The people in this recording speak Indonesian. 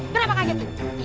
kenapa kaget itu